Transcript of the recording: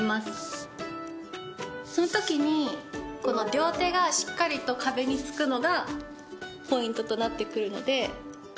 そのときに両手がしっかりと壁に付くのがポイントとなってくるので。